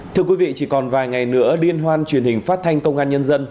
thưa quý vị chỉ còn vài ngày nữa liên hoan truyền hình phát thanh công an nhân dân